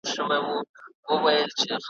ایله خره ته سوه معلوم د ژوند رازونه `